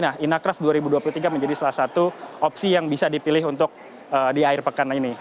nah inacraft dua ribu dua puluh tiga menjadi salah satu opsi yang bisa dipilih untuk di akhir pekan ini